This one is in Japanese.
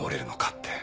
って。